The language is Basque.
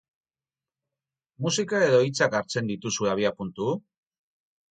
Musika edo hitzak hartzen dituzue abiapuntu?